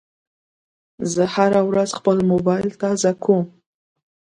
زه هره ورځ خپل موبایل تازه کوم.